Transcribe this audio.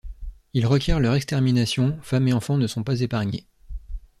Il requiert leur extermination, femmes et enfants ne sont pas épargnés.